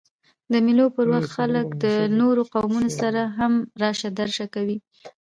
د مېلو پر وخت خلک له نورو قومونو سره هم راسه درسه کوي.